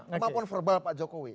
maupun verbal pak jokowi